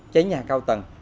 cháy nhà cao tầng